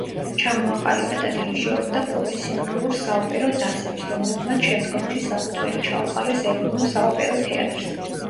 ჩამოაყალიბა და დირიჟორობდა პროფესიონალურ საოპერო დასებს, რომლებმაც შემდგომში საფუძველი ჩაუყარეს ეროვნულ საოპერო თეატრს.